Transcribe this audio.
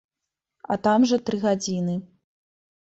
А там жа тры гадзіны.